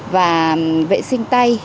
và vệ sinh tay